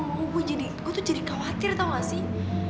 oh gue tuh jadi khawatir tau gak sih